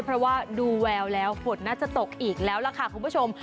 เพราะว่าดูแววแล้วฝนน่าจะตกอีกแล้วล่ะค่ะคุณผู้ชม